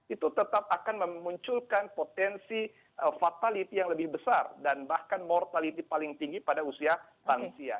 itu tetap akan memunculkan potensi fatality yang lebih besar dan bahkan mortality paling tinggi pada usia lansia